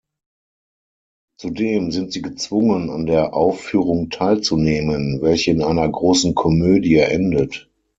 Zudem sind sie gezwungen an der Aufführung teilzunehmen, welche in einer großen Komödie endet.